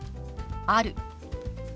「ある」。